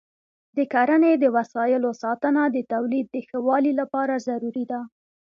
د کرنې د وسایلو ساتنه د تولید د ښه والي لپاره ضروري ده.